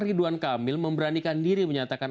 ridwan kamil memberanikan diri menyatakan